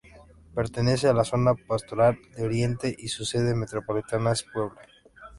Pertenece a la Zona Pastoral de Oriente y su sede metropolitana es Puebla.